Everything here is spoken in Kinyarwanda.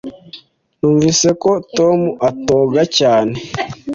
Numvise ko Tom atoga cyane.